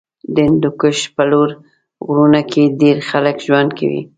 د هندوکش په لوړو غرونو کې ډېری خلک ژوند کوي.